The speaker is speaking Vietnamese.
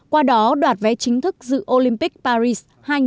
qua đó đoạt vé chính thức dự olympic paris hai nghìn hai mươi bốn